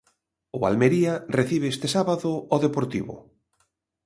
O Almería recibe este sábado o Deportivo.